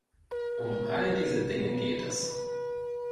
Um all diese Dinge geht es.